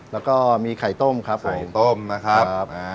แล้วก็มีไข่ต้มครับผมไข่ต้มนะครับ